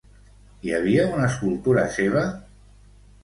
Hi havia una escultura seva?